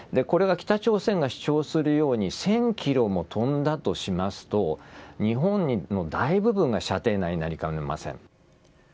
これが北朝鮮が主張するように、１０００キロも飛んだとしますと、日本の大部分が射程内になりかねません。